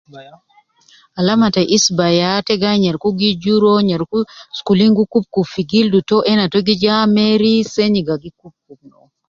Alama te isba ya ta gi ayin nyereku gi juru uwo, nyereku gi sokolin gi kun kub fi gildu to, ena to gi ja ameri, senyiga gi kub kub